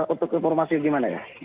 untuk informasi gimana ya